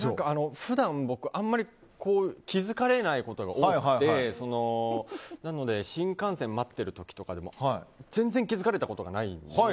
普段、僕あんまり気づかれないことが多くてなので新幹線待ってる時とかでも全然気づかれたことがないんです。